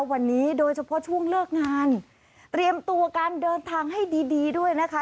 วันนี้โดยเฉพาะช่วงเลิกงานเตรียมตัวการเดินทางให้ดีดีด้วยนะคะ